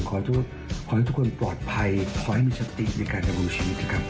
ขอให้ทุกคนปลอดภัยขอให้มีสติในการดำรงชีวิตนะครับ